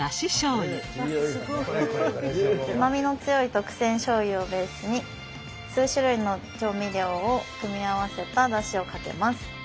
うまみの強い特選しょうゆをベースに数種類の調味料を組み合わせただしをかけます。